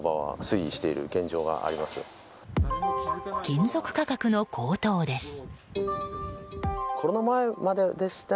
金属価格の高騰です。